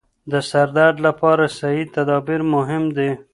د سردرد لپاره صحي تدابیر مهم دي.